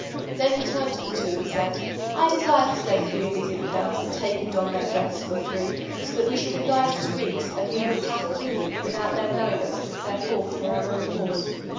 Then he turned to the two and said, "I desire to slay three of these Infidels and take and don their dress, we three; so that we shall be guised as Greeks and we will pass through them, with out their knowing us, and fare forth to our own force."